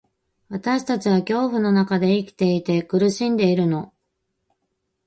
私たちは恐怖の中で生きていて、苦しんでいるの。